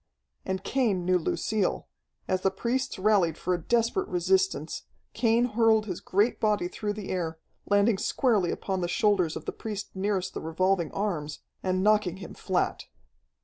And Cain knew Lucille. As the priests rallied for a desperate resistance, Cain hurled his great body through the air, landing squarely upon the shoulders of the priest nearest the revolving arms, and knocking him flat.